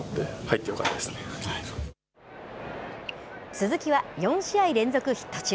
鈴木は４試合連続ヒット中。